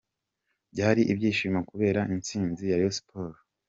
Byari ibyishimo kubera intsinzi ya Rayon Sport.